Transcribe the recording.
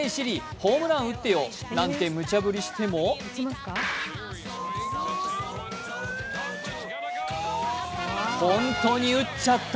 ホームラン打ってよ」なんてむちゃぶりしてもホントに打っちゃった。